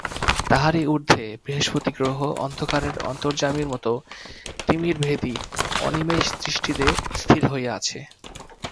তাহারই ঊর্ধ্বে বৃহস্পতিগ্রহ অন্ধকারের অন্তর্যামীর মতো তিমিরভেদী অনিমেষদৃষ্টিতে স্থির হইয়া আছে।